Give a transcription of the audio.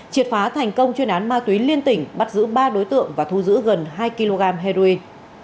triệt phá thành công chuyên án ma túy liên tỉnh bắt giữ ba đối tượng và thu giữ gần hai kg heroin